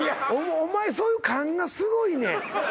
お前そういう勘がすごいねん